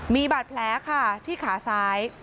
มีบาดแผลค่ะที่ขาซ้าย